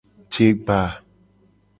Jegba.